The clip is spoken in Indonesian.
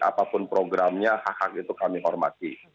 apapun programnya hak hak itu kami hormati